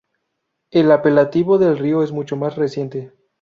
El apelativo del Río es mucho más reciente.